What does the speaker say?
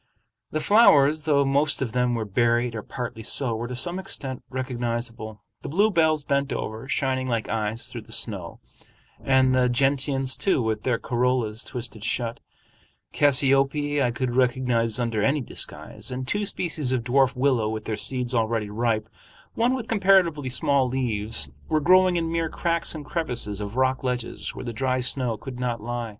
The flowers, though most of them were buried or partly so, were to some extent recognizable, the bluebells bent over, shining like eyes through the snow, and the gentians, too, with their corollas twisted shut; cassiope I could recognize under any disguise; and two species of dwarf willow with their seeds already ripe, one with comparatively small leaves, were growing in mere cracks and crevices of rock ledges where the dry snow could not lie.